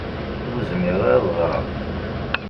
Ur zmireɣ ara ad ɣṛeɣ.